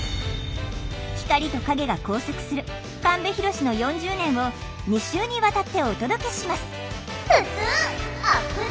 光と影が交錯する神戸浩の４０年を２週にわたってお届けします！